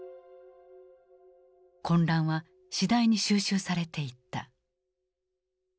混乱は次第に収拾されていった。